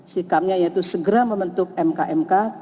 sikapnya yaitu segera membentuk mkmk